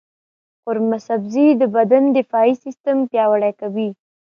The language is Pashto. قورمه سبزي د بدن دفاعي سیستم پیاوړی کوي.